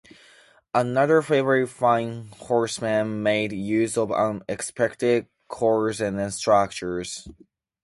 Another favourite "Fine Horseman", made use of unexpected chords and structures.